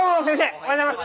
おはようございます。